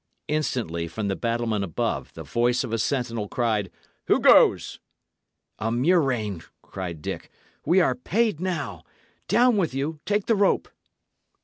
Instantly, from the battlement above, the voice of a sentinel cried, "Who goes?" "A murrain!" cried Dick. "We are paid now! Down with you take the rope."